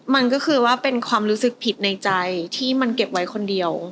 มันก็คือว่าเป็นความรู้สึกผิดในใจที่มันเก็บไว้คนเดียว